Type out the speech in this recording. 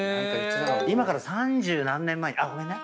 今から三十何年前ごめんね。